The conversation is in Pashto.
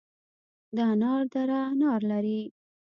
د انار دره انار لري